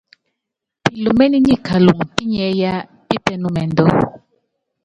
Pilúméné nyi kaluŋɔ pinyiɛ́ yá pípɛnúmɛndú.